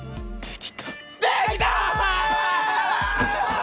できた！